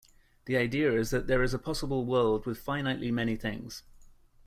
The idea is that there is a possible world with finitely many things.